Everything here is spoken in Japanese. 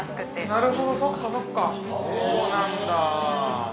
◆そうなんだー。